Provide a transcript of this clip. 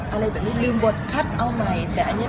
เอาหนังงานคนนี้ก็ทำแบบ